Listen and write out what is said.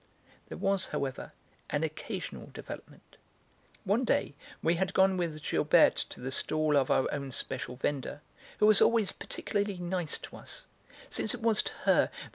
There was, however, an occasional development. One day, we had gone with Gilberte to the stall of our own special vendor, who was always particularly nice to us, since it was to her that M.